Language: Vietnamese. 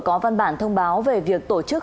có văn bản thông báo về việc tổ chức